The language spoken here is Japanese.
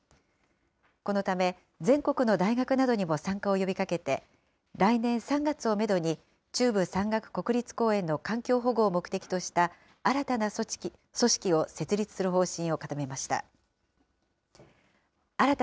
このため全国の大学などにも参加を呼びかけて、来年３月をメドに、中部山岳国立公園の環境保護を目的とした新たな組織を設立する方針を固めました。